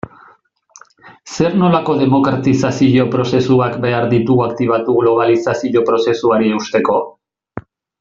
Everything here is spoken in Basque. Zer nolako demokratizazio prozesuak behar ditugu aktibatu globalizazio prozesuari eusteko?